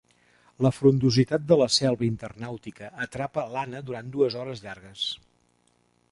La frondositat de la selva internàutica atrapa l'Anna durant dues hores llargues.